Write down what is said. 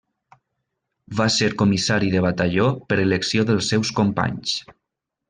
Va ser comissari de batalló per elecció dels seus companys.